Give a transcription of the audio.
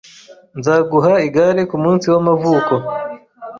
Nzaguha igare kumunsi wamavuko